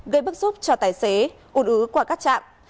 gây bức giúp cho tài xế ủn ứ qua các trạm